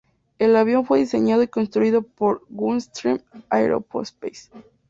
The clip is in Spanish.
El avión fue diseñado y construido por Gulfstream Aerospace.